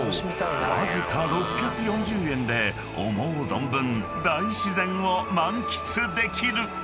［わずか６４０円で思う存分大自然を満喫できる］